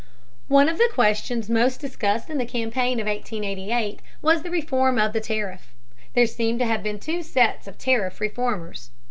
One of the questions most discussed in the campaign of 1888 was the reform of the tariff. There seem to have been two sets of tariff reformers.